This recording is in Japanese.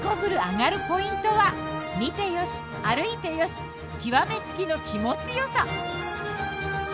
アガるポイントは見てよし歩いてよし極め付きの気持ちよさ。